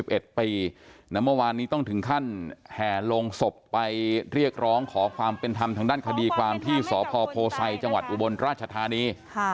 เมื่อวานนี้ต้องถึงขั้นแห่ลงศพไปเรียกร้องขอความเป็นธรรมทางด้านคดีความที่สพโพไซจังหวัดอุบลราชธานี